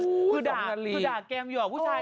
คือด่าแกรมอยู่อ่ะครับ